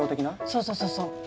そうそうそうそう。